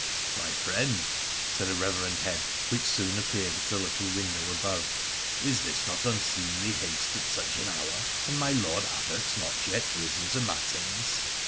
' My friend,' said a reverend head which soon appeared at a little window above, ' is this not unseemly haste at such an hour, and my Lord Abbot not yet risen to matins